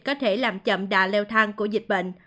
có thể làm chậm đà leo thang của dịch bệnh